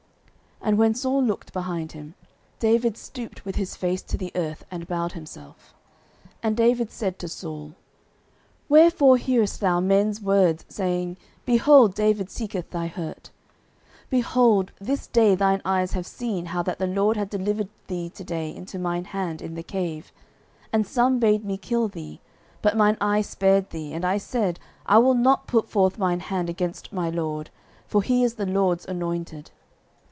And when Saul looked behind him, David stooped with his face to the earth, and bowed himself. 09:024:009 And David said to Saul, Wherefore hearest thou men's words, saying, Behold, David seeketh thy hurt? 09:024:010 Behold, this day thine eyes have seen how that the LORD had delivered thee to day into mine hand in the cave: and some bade me kill thee: but mine eye spared thee; and I said, I will not put forth mine hand against my lord; for he is the LORD's anointed.